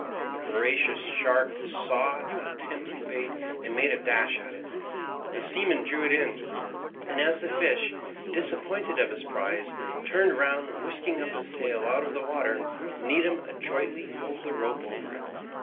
The voracious shark saw the tempting bait, and made a dash at it. The seaman drew it in, and as the fish, disappointed of his prize, turned round whisking up his tail out of the water, Needham adroitly hove the rope over it.